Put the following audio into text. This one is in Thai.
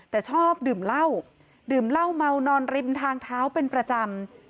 แต่ชอบดื่มเหล้าดื่มเหล้าเมานอนริมทางเท้าเป็นประจำ